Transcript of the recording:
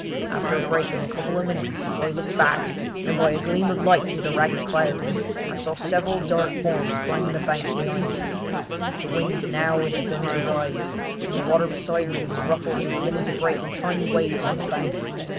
After a break of a couple of minutes I looked back, and by a gleam of light through the ragged clouds I saw several dark forms climbing the bank behind me. The wind had now begun to rise, and the water beside me was ruffled and beginning to break in tiny waves on the bank.